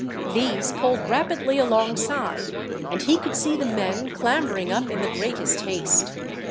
These pulled rapidly alongside, and he could see the men clambering up in the greatest haste.